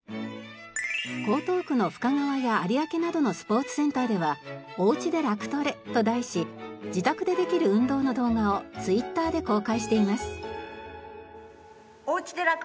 江東区の深川や有明などのスポーツセンターでは「おうちでラクトレ」と題し自宅でできる運動の動画をＴｗｉｔｔｅｒで公開しています。